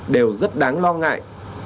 đều rất đáng lo ngại